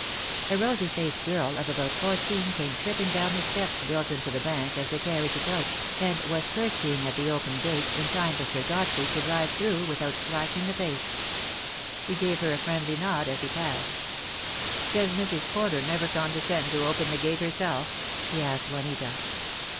A rosy faced girl of about fourteen came tripping down the stone steps built into the bank as the carriage approached, and was curtseying at the open gate in time for Sir Godfrey to drive through without slackening the pace. He gave her a friendly nod as he passed. "Does Mrs. Porter never condescend to open the gate herself?" he asked Juanita.